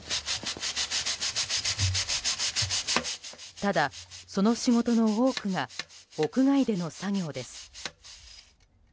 ただ、その仕事の多くが屋外での作業です。